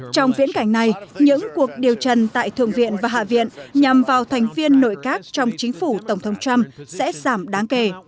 trong viễn cảnh này những cuộc điều trần tại thượng viện và hạ viện nhằm vào thành viên nội các trong chính phủ tổng thống trump sẽ giảm đáng kể